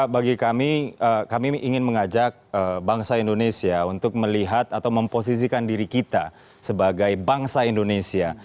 bagi kami kami ingin mengajak bangsa indonesia untuk melihat atau memposisikan diri kita sebagai bangsa indonesia